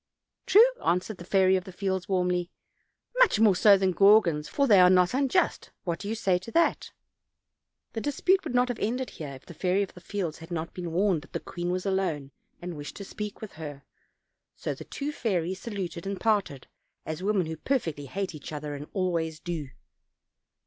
"True," answered the Fairy of the Fields warmly, "much more so than Gaugans, for they are not unjust what say you to that?" The dispute would not have ended here, if the Fairy of the Fields had not been warned that the queen was alone and wished to speak with her. So the two fairies saluted and parted, as women who perfectly hate each other always do.